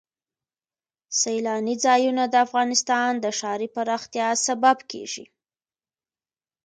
سیلانی ځایونه د افغانستان د ښاري پراختیا سبب کېږي.